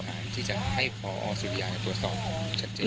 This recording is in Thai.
ซึ่งมีรักฐานที่จะให้พอสุริยายตรวจสอบชัดเจน